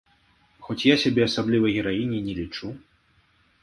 Хоць я сябе асаблівай гераіняй не лічу.